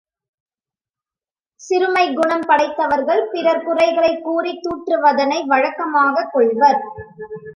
சிறுமைக் குணம் படைத்தவர்கள் பிறர் குறைகளைக் கூறித் தூற்றுவதனை வழக்கமாகக் கொள்வர்.